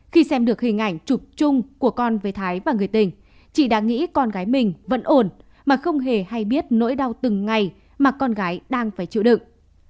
khi xem được hình ảnh chụp chung của con với thái và người tình chị đã nghĩ con gái mình vẫn ổn mà không hề hay biết nỗi đau từng ngày mà con gái đang phải chịu đựng